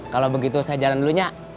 kalau begitu saya jalan dulunya